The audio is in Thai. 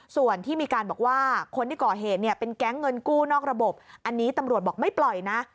ส่วนที่มีการบอกว่าคนที่ก่อเหตุเนี่ยเป็นแก๊งเงินกู้นอกระบบอันนี้ตำรวจบอกไม่ปล่อยนะ